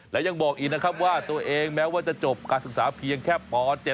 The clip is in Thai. และยังบอกอีกนะครับว่าตัวเองแม้ว่าจะจบการศึกษาเพียงแค่ป๗